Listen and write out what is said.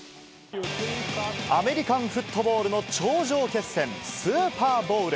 アメリカンフットボールの頂上決戦、スーパーボウル。